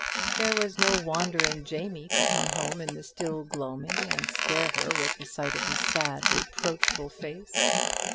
There was no wandering Jamie to come home in the still gloaming and scare her with the sight of his sad reproachful face.